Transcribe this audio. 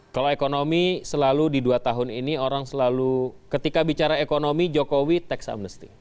kalau ekonomi selalu di dua tahun ini orang selalu ketika bicara ekonomi jokowi tax amnesty